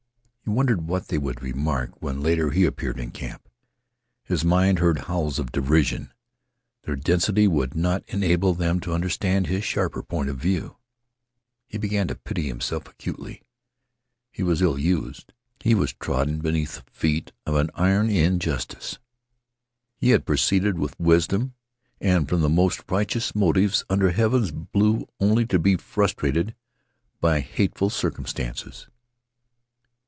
He wondered what they would remark when later he appeared in camp. His mind heard howls of derision. Their density would not enable them to understand his sharper point of view. He began to pity himself acutely. He was ill used. He was trodden beneath the feet of an iron injustice. He had proceeded with wisdom and from the most righteous motives under heaven's blue only to be frustrated by hateful circumstances.